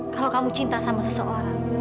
kalau kamu cinta sama seseorang